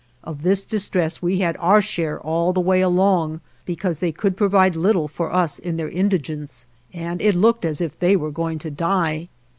Of this distress we had our share all the way along, because they could provide little for us in their indigence, and it looked as if they were going to die.